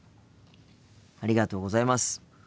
ありがとうございます。